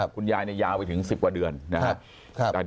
คุณยายยาวไปถึง๑๐กว่าเดือนนะครับ